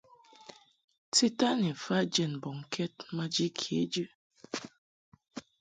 Tita ni mfa jɛd mbɔŋkɛd maji kejɨ.